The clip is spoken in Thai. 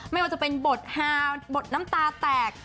ไม่ว่าจะเป็นบทฮาบทน้ำตาแตก